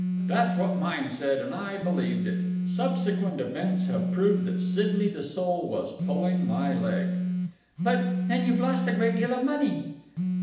That's what mine said, and I believed it. Subsequent events have proved that Sidney the Soul was pulling my leg!" "But then you've lost a great deal of money?"